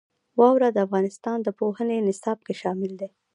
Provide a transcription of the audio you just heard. واوره د افغانستان د پوهنې نصاب کې شامل دي.